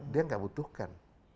dia gak butuhkan